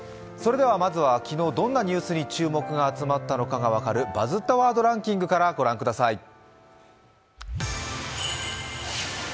まずは昨日どんなニュースに注目が集まったのかが分かる「バズったワードランキング」から御覧ください。